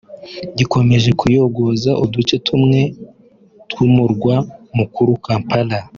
gikomeje kuyogoza uduce tumwe tw’umurwa mukuru Kampala